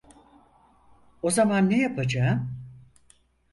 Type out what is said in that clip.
O zaman ne yapacağım?